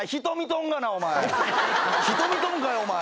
人見とんかいお前。